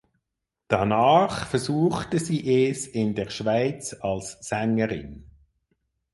Danach versuchte sie es in der Schweiz als Sängerin.